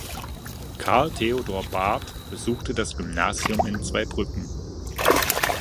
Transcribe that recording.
Carl Theodor Barth besuchte das Gymnasium in Zweibrücken.